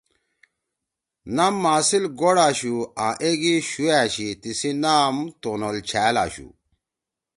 نام ماسیِل گوڑ آشُو آں ایگی شُو أشی تیِسی نام تونول چھأل آشُو۔